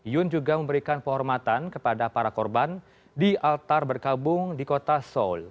yun juga memberikan penghormatan kepada para korban di altar berkabung di kota seoul